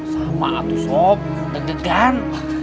sama tuh sob deg degan